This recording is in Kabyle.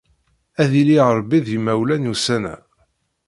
Ad yili Rebbi d yimawlan ussan-a!